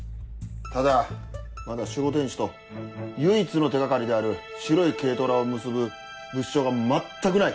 ただまだ守護天使と唯一の手掛かりである白い軽トラを結ぶ物証が全くない。